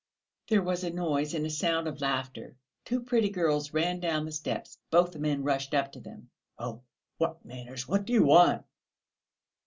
There was a noise and a sound of laughter; two pretty girls ran down the steps; both the men rushed up to them. "Oh, what manners! What do you want?"